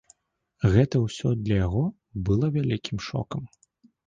Гэта ўсё для яго было вялікім шокам.